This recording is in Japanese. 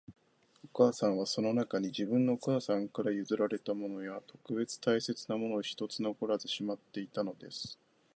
お母さんは、その中に、自分のお母さんから譲られたものや、特別大切なものを一つ残らずしまっていたのです